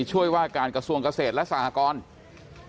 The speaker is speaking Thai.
ช่วยว่าการกระทรวงเกษตรและสหกร